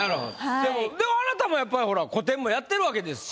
でもあなたもやっぱほら個展もやってるわけですし。